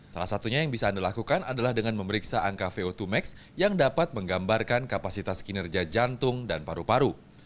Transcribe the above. salah satunya yang bisa anda lakukan adalah dengan memeriksa angka vo dua max yang dapat menggambarkan kapasitas kinerja jantung dan paru paru